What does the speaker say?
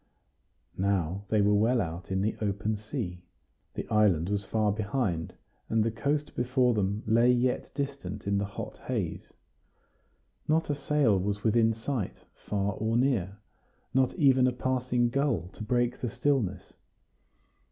Now they were well out in the open sea. The island was far behind, and the coast before them lay yet distant in the hot haze. Not a sail was within sight, far or near not even a passing gull to break the stillness.